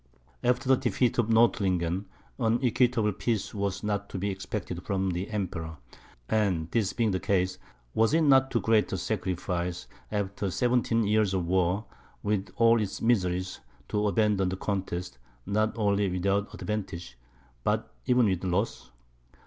After the defeat of Nordlingen, an equitable peace was not to be expected from the Emperor; and, this being the case, was it not too great a sacrifice, after seventeen years of war, with all its miseries, to abandon the contest, not only without advantage, but even with loss?